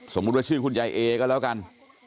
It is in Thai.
ว่าชื่อคุณยายเอก็แล้วกัน